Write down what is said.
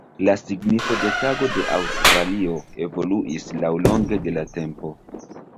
La signifo de Tago de Aŭstralio evoluis laŭlonge de la tempo.